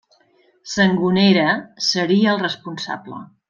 Sangonera seria el responsable.